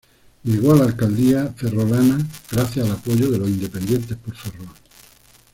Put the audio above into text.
Llegó a la alcaldía ferrolana gracias al apoyo de los Independientes por Ferrol.